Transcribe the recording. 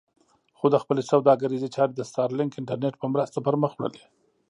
خو ده خپلې سوداګریزې چارې د سټارلېنک انټرنېټ په مرسته پر مخ وړلې.